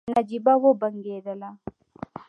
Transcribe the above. نجيبه وبنګېدله.